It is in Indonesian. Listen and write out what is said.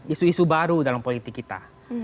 isu isu baru dalam politik kita